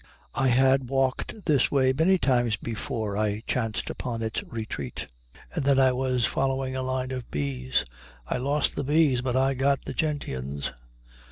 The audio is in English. I had walked this way many times before I chanced upon its retreat, and then I was following a line of bees. I lost the bees, but I got the gentians.